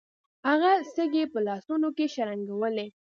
هغه سکې په لاسونو کې شرنګولې.